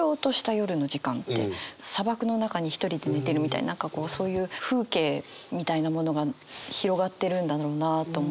砂漠の中に一人で寝てるみたいな何かこうそういう風景みたいなものが広がってるんだろうなと思って。